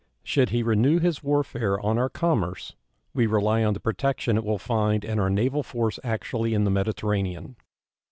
Should he renew his warfare on our commerce, we rely on the protection it will find in our naval force actually in the Mediterranean.